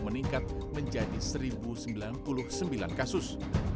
meningkat menjadi satu sembilan puluh sembilan kasus